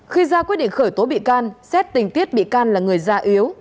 khi ra quyết định khởi tố bị can xét tình tiết bị can là người già yếu